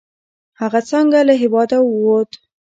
هغه څنګه له هیواده ووت؟